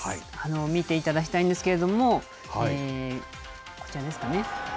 見ていただきたいんですけれども、こちらですかね。